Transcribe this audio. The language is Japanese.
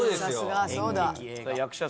そうだ。